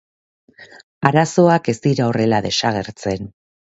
Arazoak ez dira horrela desagertzen.